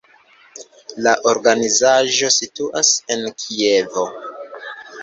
La organizaĵo situas en Kievo.